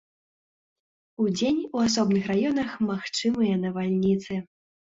Удзень у асобных раёнах магчымыя навальніцы.